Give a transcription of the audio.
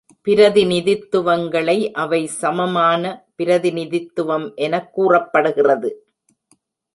பிரதிநிதித்துவங்களை அவை சமமான பிரதிநிதித்துவம் எனக் கூறப்படுகிறது.